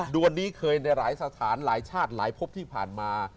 วนนี้เคยในหลายสถานหลายชาติหลายพบที่ผ่านมา